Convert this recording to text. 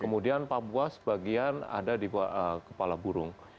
kemudian papua sebagian ada di kepala burung